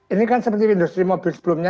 ini kan seperti industri mobil sebelumnya